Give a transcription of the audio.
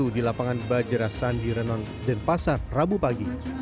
di lapangan bajera sandi renon dan pasar rabu pagi